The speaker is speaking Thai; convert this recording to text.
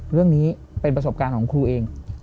เรื่องนี้เป็นประสบการณ์ของครูเอง